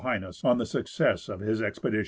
H. on the success of his expedition.